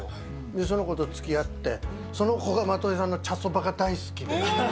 その子とつきあって、その子がまといさんの茶そばが大好きで。